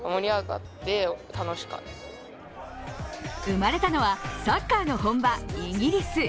生まれたのは、サッカーの本場イギリス。